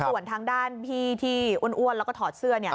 ส่วนทางด้านพี่ที่อ้วนแล้วก็ถอดเสื้อ